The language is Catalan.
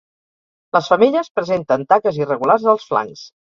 Les femelles presenten taques irregulars als flancs.